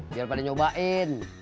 biar pada nyobain